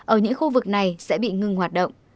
ở những khu vực này sẽ bị ngừng hoạt động